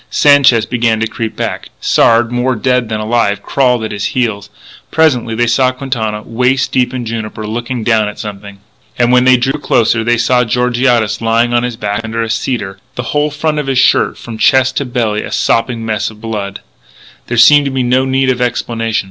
Sanchez began to creep back; Sard, more dead than alive, crawled at his heels. Presently they saw Quintana, waist deep in juniper, looking down at something. And when they drew closer they saw Georgiades lying on his back under a cedar, the whole front of his shirt from chest to belly a sopping mess of blood. There seemed no need of explanation.